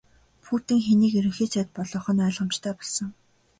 Путин хэнийг Ерөнхий сайд болгох нь ойлгомжтой болсон.